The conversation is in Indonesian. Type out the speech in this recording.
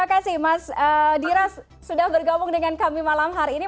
terima kasih mas dira sudah bergabung dengan kami malam hari ini